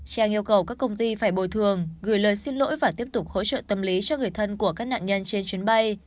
trang yêu cầu các công ty phải bồi thường gửi lời xin lỗi và tiếp tục hỗ trợ tâm lý cho người thân của các nạn nhân trên chuyến bay